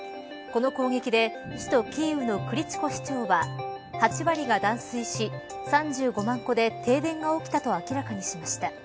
この攻撃で首都キーウのクリチコ市長は８割が断水し３５万戸で停電が起きたと明らかにしました。